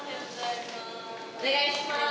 お願いします。